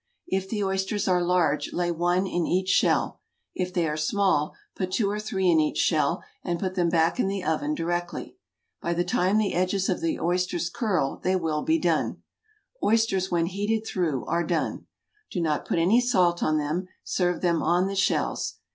If the oysters are large lay one in each shell, if they are small put two or three in each shell and put them back in the oven directly. By the time the edges of the oysters curl they will be done. Oysters when heated through are done. Do not put any salt on them. Serve them on the shells.